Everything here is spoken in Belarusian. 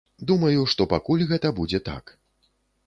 Думаю, што пакуль гэта будзе так.